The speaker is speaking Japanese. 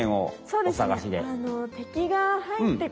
そうですね。